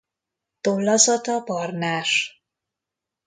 Tollazata barnás.